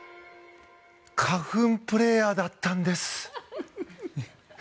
花粉プレーヤーだったんです！